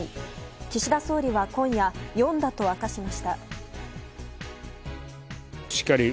岸田総理は今夜読んだと明かしました。